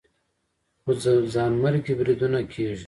خو ځانمرګي بریدونه کېږي